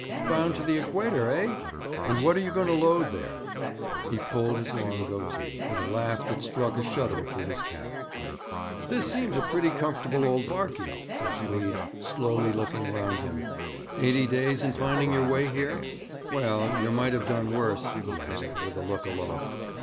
Bound to the Equator, eh? And what are you going to load there?' He pulled his long goatee, with a laugh that struck a shudder through his cap. 'This seems a pretty comfortable old barkey,' said Tweed, slowly looking round him. 'Eighty days in finding your way here? Well, yer might have done worse,' he added, with a look aloft.